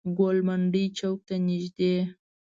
ګوالمنډۍ چوک ته نزدې.